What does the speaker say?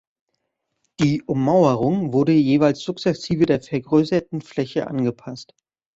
Die Ummauerung wurde jeweils sukzessive der vergrößerten Fläche angepasst.